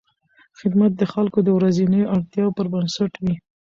خدمت د خلکو د ورځنیو اړتیاوو پر بنسټ وي.